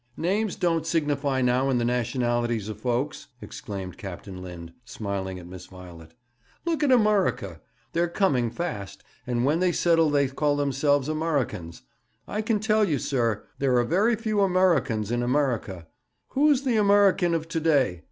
'Names don't signify now in the nationalities of folks,' exclaimed Captain Lind, smiling at Miss Violet. 'Look at Amurrica. They're coming fast, and when they settle they call themselves Amurricans. I can tell you, sir, there are very few Amurricans in Amurrica. Who's the Amurrican of to day?